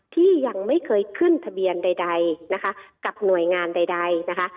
ที่ยังไม่เคยขึ้นทะเบียนใดนะคะกับหน่วยงานใดนะคะ